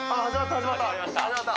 始まった。